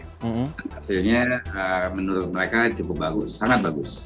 hasilnya menurut mereka cukup bagus sangat bagus